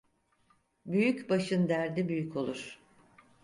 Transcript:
Büyük başın derdi büyük olur.